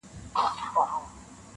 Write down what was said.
دا خصلت دی د کم ذاتو ناکسانو,